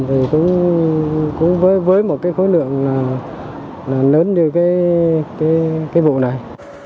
thì cũng với một cái khối lượng lớn như cái vụ này